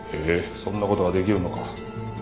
そんな事ができるのか？